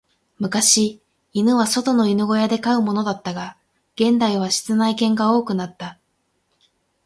昔、犬は外の犬小屋で飼うものだったが、現代は室内犬が多くなった。